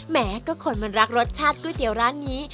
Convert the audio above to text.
แหมก็คนมันรักรสชาติก๋วยเตี๋ยวร้านนี้